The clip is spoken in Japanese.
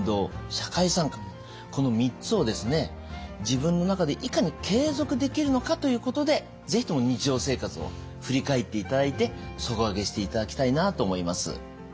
自分の中でいかに継続できるのかということで是非とも日常生活を振り返っていただいて底上げしていただきたいなと思います。